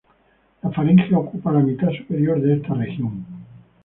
La faringe ocupa la mitad superior de esta región.